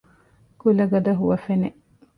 ކުލަގަދަ ހުވަފެނެއް